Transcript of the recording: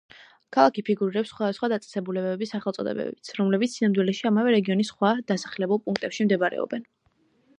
ქალაქი ფიგურირებს სხვადასხვა დაწესებულებების სახელწოდებებიც, რომლებიც სინამდვილეში ამავე რეგიონის სხვა დასახლებულ პუნქტებში მდებარეობენ.